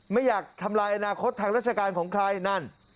ไม่อยากทำลายอนาคตทางราชการของใครนั่น